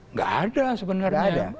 nggak ada sebenarnya